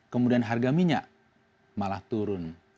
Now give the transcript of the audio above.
kemudian harga minyak malah turun